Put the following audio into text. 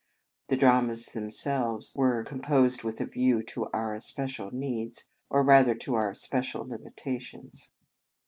The dramas them selves were composed with a view to our especial needs, or rather to our especial limitations.